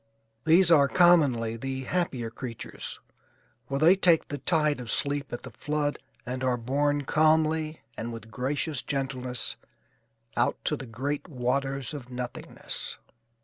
These are, commonly, the happier creatures, for they take the tide of sleep at the flood and are borne calmly and with gracious gentleness out to great waters of nothingness.